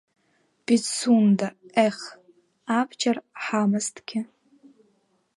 Пицунда ех, абџьар ҳамазҭгьы…